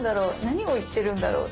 何を言ってるんだろう？